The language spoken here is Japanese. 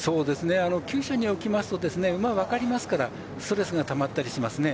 きゅう舎におきますと馬は分かりますからストレスがたまったりしますね。